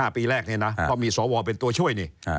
ปีแรกนี่นะเพราะมีสวเป็นตัวช่วยนี่